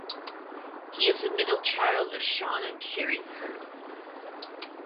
He is the middle child of Shawn and Carrie Purdy.